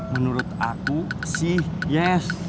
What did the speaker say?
menurut aku sih yes